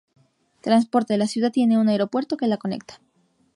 Transporte: la ciudad tiene un Aeropuerto que la conecta.